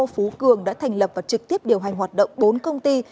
phú cường đã thành lập và trực tiếp điều hành hoạt động bốn công ty